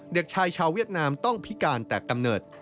เด็กชายชาวเวียดนามต้องพิการแต่กำเนิด